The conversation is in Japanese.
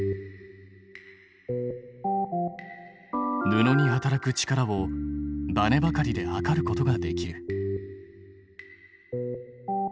布に働く力をバネばかりで測ることができる。